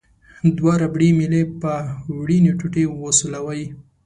دوه ربړي میلې په وړینې ټوټې وسولوئ.